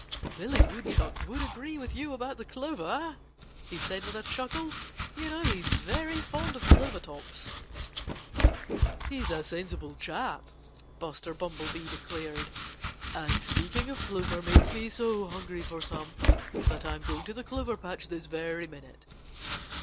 "Billy Woodchuck would agree with you about the clover," he said with a chuckle. "You know he's very fond of clover tops." "He's a sensible chap," Buster Bumblebee declared. "And speaking of clover makes me so hungry for some that I'm going to the clover patch this very minute."